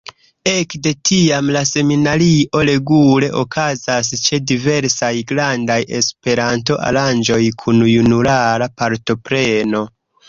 Ekde tiam la seminario regule okazas ĉe diversaj grandaj Esperanto-aranĝoj kun junulara partopreno.